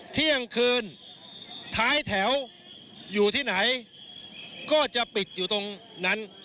เที่ยงคืนท้ายแถวอยู่ที่ไหนก็จะปิดอยู่ตรงนั้น